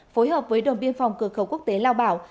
phối hợp với đồng biên phòng cửa khẩu quốc tế lào bảo